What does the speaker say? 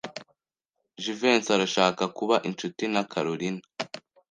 Jivency arashaka kuba inshuti na Kalorina.